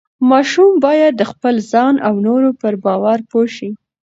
ماشوم باید د خپل ځان او نورو پر باور پوه شي.